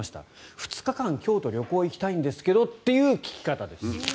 ２日間、京都旅行行きたいんですけどという聞き方です。